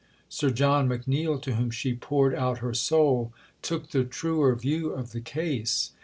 Sir John McNeill, to whom she poured out her soul, took the truer view of the case.